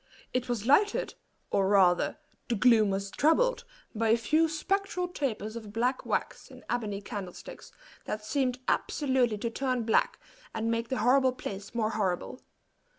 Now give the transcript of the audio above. It was lighted, or rather the gloom was troubled, by a few spectral tapers of black wax in ebony candlesticks, that seemed absolutely to turn black, and make the horrible place more horrible.